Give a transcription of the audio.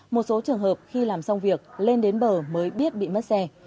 một số trường hợp khi làm xong việc lên đến bờ mới biết bị mất xe